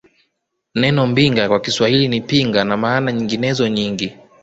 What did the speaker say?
Neno Mbinga kwa Kiswahili ni Pinga na maana nyinginezo nyingi